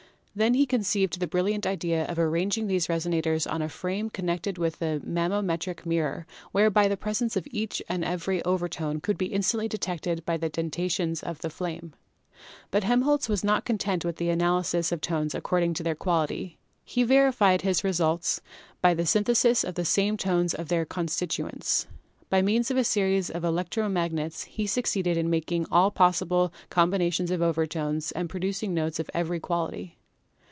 Then he conceived the brilliant idea of arranging these resonators on a frame connected with a manometric mirror, whereby the presence of each and every overtone could be instantly detected by the dentations of the flame. But Helmholtz was not content with the analysis of tones according to their quality. He verified his results by the synthesis of the same tones from their constituents. SOUND 127 By means of a series of electro magnets he succeeded in making all possible combinations of overtones and produc ing notes of every quality.